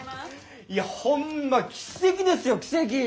いやホンマ奇跡ですよ奇跡！